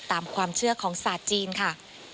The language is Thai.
ตามความเชื่อของศาสตร์จีนค่ะ